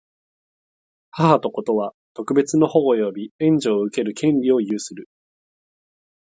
母と子とは、特別の保護及び援助を受ける権利を有する。